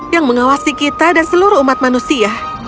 yang mengawasi kita dan seluruh umat manusia